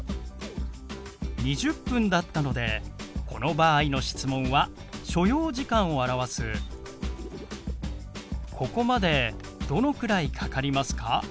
２０分だったのでこの場合の質問は所要時間を表すここまでどのくらいかかりますか？